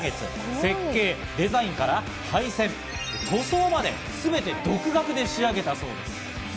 設計、デザインから配線、塗装まですべて独学で仕上げたそうです。